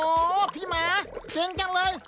โอ้โหพี่หมาเก่งจังเลย